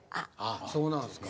そうなるんですか。